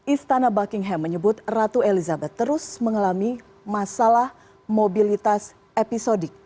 istana buckingham menyebut ratu elizabeth terus mengalami masalah mobilitas episodik